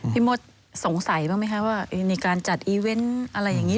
มดสงสัยบ้างไหมคะว่าในการจัดอีเวนต์อะไรอย่างนี้